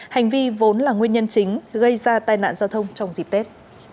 hành vi vốn là nguyên nhân chính gây ra tai nạn giao thông trong dịp tết